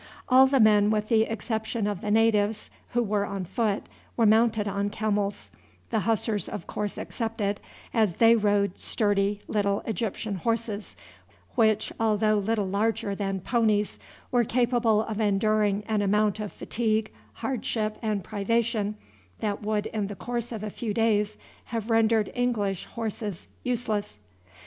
All the men with the exception of the natives, who were on foot, were mounted on camels, the Hussars of course excepted, as they rode sturdy little Egyptian horses, which, although little larger than ponies, were capable of enduring an amount of fatigue, hardship, and privation, that would in the course of a few days have rendered English horses useless.